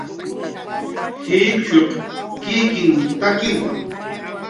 jikshuq kikinhtakiwa